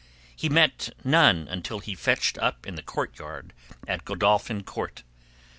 He met none until he fetched up in the courtyard at Godolphin Court.